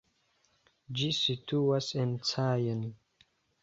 Ĝi situas en Caen.